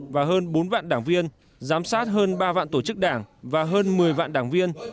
và hơn bốn vạn đảng viên giám sát hơn ba vạn tổ chức đảng và hơn một mươi vạn đảng viên